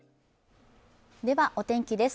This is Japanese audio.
では、お天気です。